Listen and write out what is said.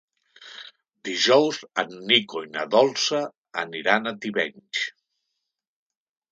Dijous en Nico i na Dolça aniran a Tivenys.